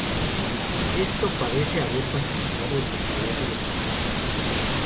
Esto parece haber facilitado el desenlace del conflicto.